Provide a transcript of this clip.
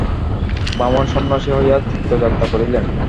বামন সন্ন্যাসী হইয়া তীর্থযাত্রা করিলেন।